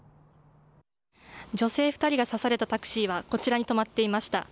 女性２人が刺されたタクシーはこちらに止まっていました。